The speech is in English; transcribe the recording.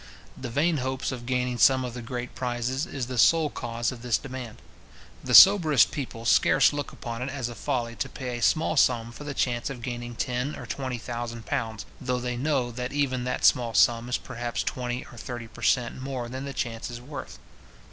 The vain hopes of gaining some of the great prizes is the sole cause of this demand. The soberest people scarce look upon it as a folly to pay a small sum for the chance of gaining ten or twenty thousand pounds, though they know that even that small sum is perhaps twenty or thirty per cent. more than the chance is worth.